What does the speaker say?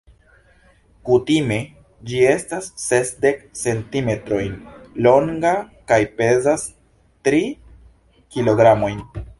Kutime ĝi estas sesdek centimetrojn longa kaj pezas tri kilogramojn.